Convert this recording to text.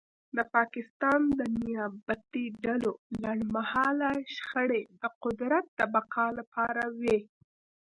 د پاکستان د نیابتي ډلو لنډمهاله شخړې د قدرت د بقا لپاره وې